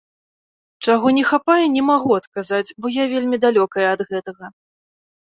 Чаго не хапае, не магу адказаць, бо я вельмі далёкая ад гэтага!